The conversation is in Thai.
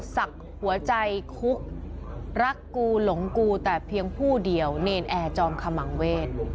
ศักดิ์หัวใจคุกรักกูหลงกูแต่เพียงผู้เดียวเนรนแอร์จอมขมังเวท